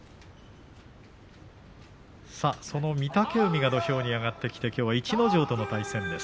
その御嶽海が土俵に上がってきてきょうは逸ノ城との対戦です。